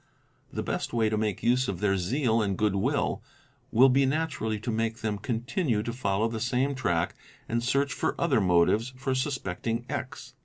The best way to make use of their zeal and good will will PROCEDURE +} be naturally to make them continue to follow the same track and search 'for other motives for suspecting X.